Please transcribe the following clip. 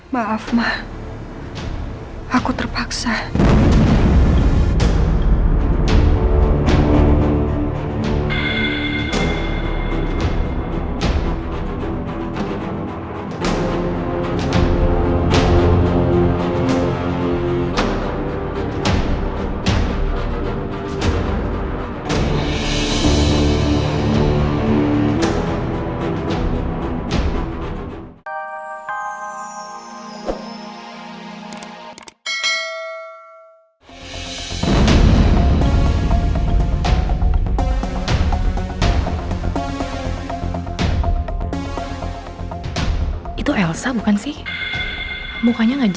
sampai jumpa di video selanjutnya